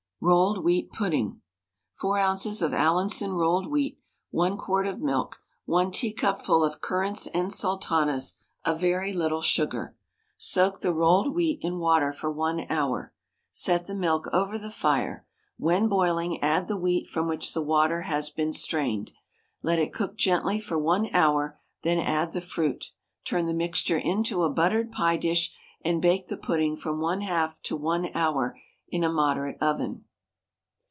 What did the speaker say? ROLLED WHEAT PUDDING. 4 oz. of Allinson rolled wheat, 1 quart of milk, 1 teacupful of currants and sultanas, a very little sugar. Soak the rolled wheat in water for 1 hour. Set the milk over the fire, when boiling add the wheat from which the water has been strained. Let it cook gently for 1 hour, then add the fruit, turn the mixture into a buttered pie dish, and bake the pudding from 1/2 to 1 hour in a moderate oven.